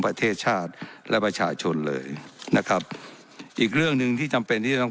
ประเทศชาติและประชาชนเลยนะครับอีกเรื่องหนึ่งที่จำเป็นที่จะต้อง